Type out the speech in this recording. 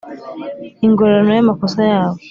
ingororano y amakosa yabo